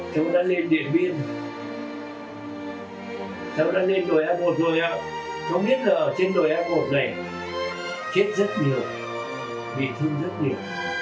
cháu đã lên đội a một rồi ạ cháu biết ở trên đội a một này chết rất nhiều bị thương rất nhiều